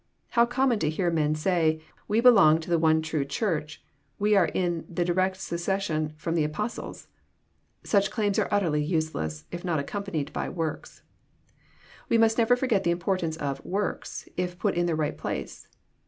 How common to hear men say, " we belong to the one true Church ; we are in the direct succession firom the Apostles.'* Such claims are utterly useless, if not accompanied by " works." We must never forget the importance of " works," if put in their right place.